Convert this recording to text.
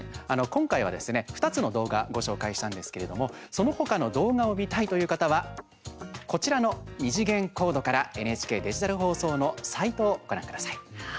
今回はですね、２つの動画ご紹介したんですけれどもそのほかの動画を見たいという方はこちらの２次元コードからＮＨＫデジタル放送のサイトをご覧ください。